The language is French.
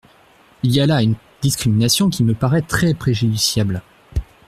Il y a là une discrimination qui me paraît très préjudiciable.